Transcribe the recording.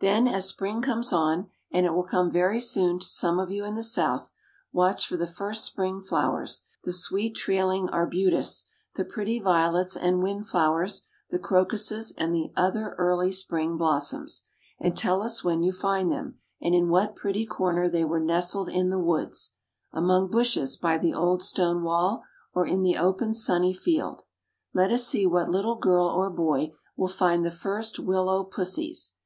Then as spring comes on and it will come very soon to some of you in the South watch for the first spring flowers, the sweet trailing arbutus, the pretty violets and wind flowers, the crocuses, and other early spring blossoms, and tell us when you find them, and in what pretty corner they were nestled in the woods, among bushes by the old stone wall, or in the open sunny field. Let us see what little girl or boy will find the first willow "pussies."